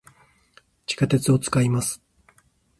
地下鉄を、使います。